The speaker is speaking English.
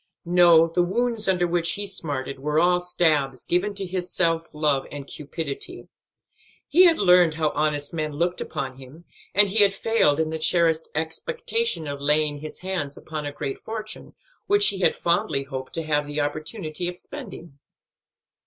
No, the wounds under which he smarted were all stabs given to his self love and cupidity. He had learned how honest men looked upon him; and he had failed in the cherished expectation of laying his hands upon a great fortune, which he had fondly hoped to have the opportunity of spending.